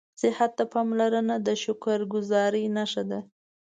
صحت ته پاملرنه د شکرګذارۍ نښه ده